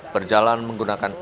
berjalan menggunakan egrang